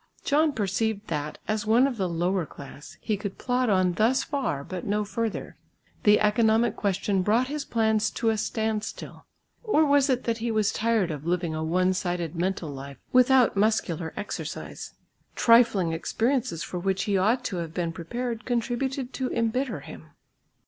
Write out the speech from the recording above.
John perceived that, as one of the lower class, he could plod on thus far but no further. The economic question brought his plans to a standstill. Or was it that he was tired of living a one sided mental life without muscular exercise? Trifling experiences for which he ought to have been prepared contributed to embitter him.